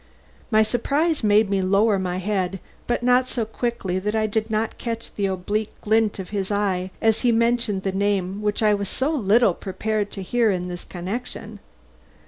My surprise made me lower my head but not so quickly that I did not catch the oblique glint of his eye as he mentioned the name which I was so little prepared to hear in this connection.